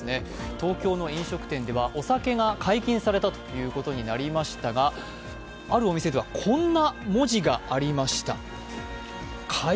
東京の飲食店ではお酒が解禁されたということになりましたがあるお店ではこんな文字がありました。